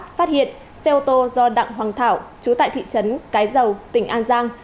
phát hiện xe ô tô do đặng hoàng thảo chú tại thị trấn cái dầu tỉnh an giang